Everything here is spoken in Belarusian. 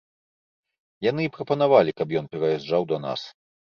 Яны і прапанавалі, каб ён пераязджаў да нас.